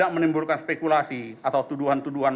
penyelidikan penyelidikan dan penuntutan